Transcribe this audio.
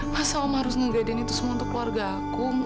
masa om harus ngegadirin itu semua untuk keluarga aku